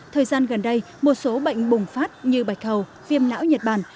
thời gian gần đây một số bệnh bùng phát như bạch hầu viêm não nhật bản